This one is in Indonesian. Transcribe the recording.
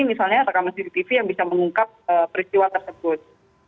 misalnya rekaman cctv yang bisa mengungkap peristiwa tersebut